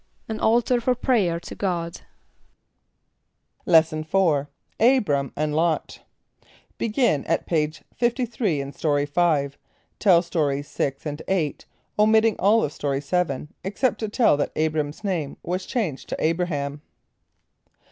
=An altar for prayer to God.= Lesson IV. Abram and Lot. (Begin at page 53 in Story 5; tell stories 6 and 8, omitting all of Story 7, except to tell that Abram's name was changed to Abraham.)